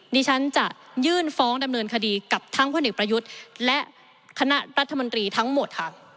ดิฉันจะยื่นฟ้องดำเนินคดีกับทั้งพลเอกประยุทธ์และคณะรัฐมนตรีทั้งหมดค่ะ